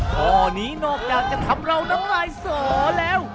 ข้อนี้นอกจากจะทำเราน้ำลายสอแล้ว